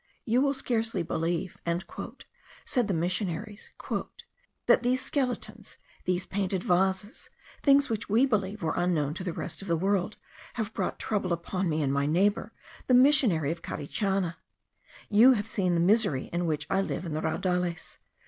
"You will scarcely believe," said the missionaries, "that these skeletons, these painted vases, things which we believed were unknown to the rest of the world, have brought trouble upon me and my neighbour, the missionary of Carichana. You have seen the misery in which I live in the raudales.